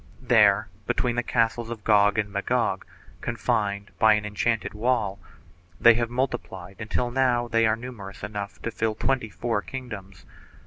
There, between the castles of Gog and Magog, confined by an enchanted wall, they have multiplied until now they are numerous enough to fill twenty four kingdoms.